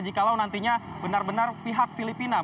jikalau nantinya benar benar pihak filipina